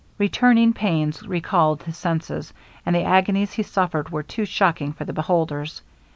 Returning pains recalled his senses, and the agonies he suffered were too shocking for the beholders.